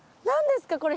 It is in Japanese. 何ですか？